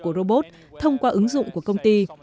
của robot thông qua ứng dụng của công ty